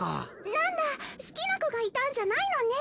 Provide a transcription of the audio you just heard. なんだ好きな子がいたんじゃないのね。